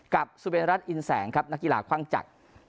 สุเมนรัฐอินแสงครับนักกีฬาคว่างจักร